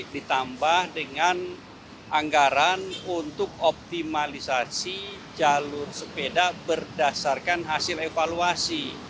ditambah dengan anggaran untuk optimalisasi jalur sepeda berdasarkan hasil evaluasi